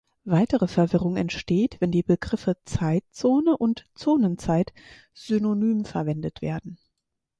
Weitere Verwirrung entsteht, wenn die Begriffe Zeitzone und Zonenzeit synonym verwendet werden.